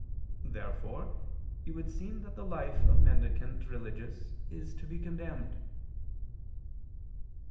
Therefore it would seem that the life of mendicant religious is to be condemned.